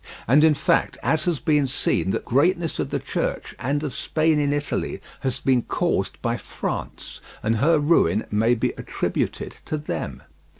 And in fact it has been seen that the greatness of the Church and of Spain in Italy has been caused by France, and her ruin may be attributed to them.